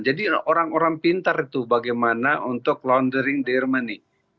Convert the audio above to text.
jadi orang orang pintar itu bagaimana untuk laundering their money